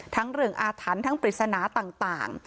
ทั้งเรื่องอาถรรพ์ทั้งปริศนาต่าง